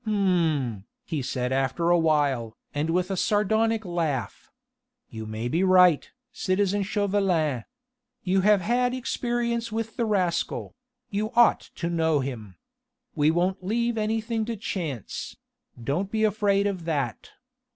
"H'm!" he said after awhile, and with a sardonic laugh. "You may be right, citizen Chauvelin. You have had experience with the rascal ... you ought to know him. We won't leave anything to chance don't be afraid of that.